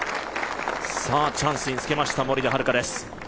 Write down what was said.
チャンスにつけました、森田遥です。